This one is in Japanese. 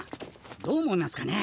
どう思いますかねえ